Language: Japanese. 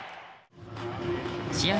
試合